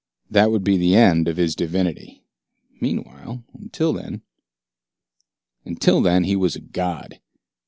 That would be the end of his divinity. Meanwhile, until then Until then he was a god.